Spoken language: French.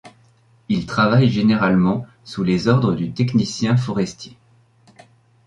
Il travaille généralement sous les ordres du technicien forestier.